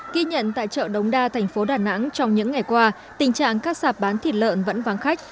ghi nhận tại chợ đống đa thành phố đà nẵng trong những ngày qua tình trạng các sạp bán thịt lợn vẫn vắng khách